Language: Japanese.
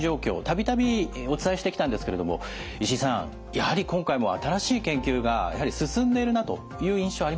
度々お伝えしてきたんですけれども石井さんやはり今回も新しい研究が進んでいるなという印象ありますね。